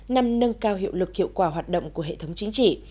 năm nâng cao hiệu lực hiệu quả hoạt động của hệ thống chính trị